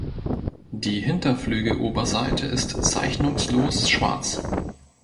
Die Hinterflügeloberseite ist zeichnungslos schwarz.